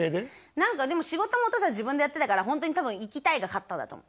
何かでも仕事もお父さん自分でやってたから本当に多分「行きたい」が勝ったんだと思う。